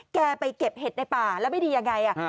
แกไปเก็บเห็ดในป่าแล้วไม่ดียังไง